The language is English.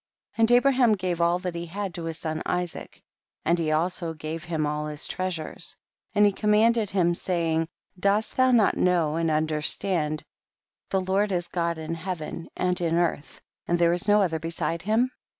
21. And Abraham gave all that he had to his son Isaac, and he also gave him all his treasures. 22. And he commanded him, say 76 THE BOOK OF JASHER. ing, dost thou not know and under stand the Lord is God in heaven and in earth, and there is no other beside him?